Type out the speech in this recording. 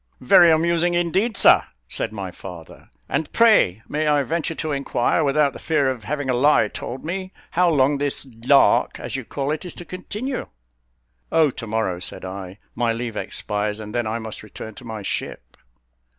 "Very amusing, indeed, sir," said my father; "and pray, may I venture to inquire, without the fear of having a lie told me, how long this 'lark,' as you call it, is to continue?" "Oh, to morrow," said I, "my leave expires, and then I must return to my ship."